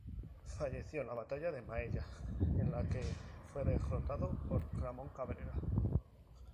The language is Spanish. Falleció en la Batalla de Maella, en la que fue derrotado por Ramón Cabrera.